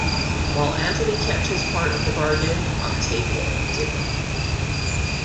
While Antony kept his part of the bargain, Octavian did not.